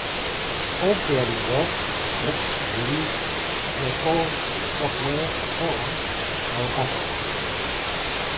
All creative works—books, movies, records, software, and so on—are a compromise .